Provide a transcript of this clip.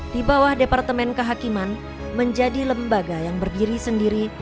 di bawah departemen kehakiman menjadi lembaga yang berdiri sendiri